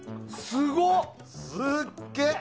すごっ！